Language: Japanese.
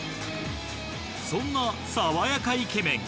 そんな爽やかイケメン